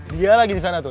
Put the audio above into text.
dia lagi di sana tuh